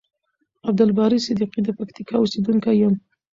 عبدالباری صدیقی د پکتیکا اوسیدونکی یم.